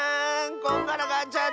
こんがらがっちゃった。